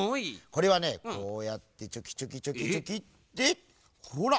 これはねこうやってチョキチョキチョキチョキってほら！